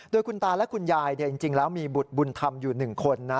โดยคุณตาและคุณยายจริงแล้วมีบุตรบุญธรรมอยู่๑คนนะ